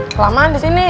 kelamaan di sini